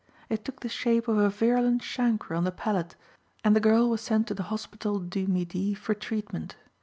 It took the shape of a virulent chancre on the palate, and the girl was sent to the Hospital du Midi for treatment.